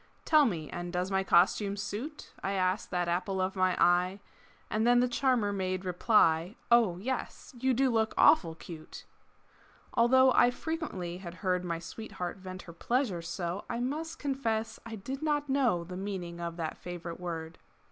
"Tell me and does my costume suit?" I asked that apple of my eye And then the charmer made reply, "Oh, yes, you do look awful cute!" Although I frequently had heard My sweetheart vent her pleasure so, I must confess I did not know The meaning of that favorite word.